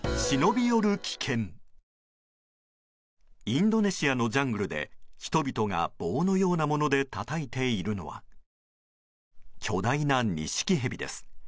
インドネシアのジャングルで人々が棒のようなものでたたいているのは巨大なニシキヘビです。